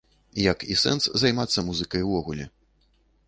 Як і сэнс займацца музыкай увогуле.